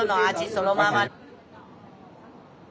そのまま。